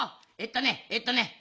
えっとねえっとね